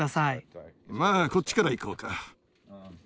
まあこっちから行こうか。